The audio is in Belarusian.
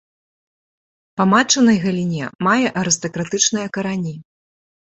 Па матчынай галіне мае арыстакратычныя карані.